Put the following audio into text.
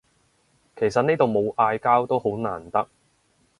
其實呢度冇嗌交都好難得